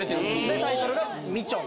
でタイトルが『みちょん』。